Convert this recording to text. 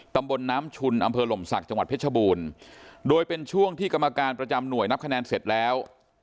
ตำบลน้ำชุนอำเภอหล่มศักดิ์จังหวัดเพชรบูรณ์โดยเป็นช่วงที่กรรมการประจำหน่วยนับคะแนนเสร็จแล้ว